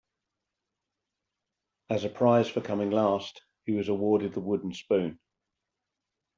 As a prize for coming last, he was awarded the wooden spoon.